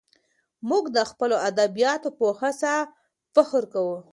موږ د خپلو ادیبانو په هڅو فخر کوو.